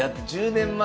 １０年前。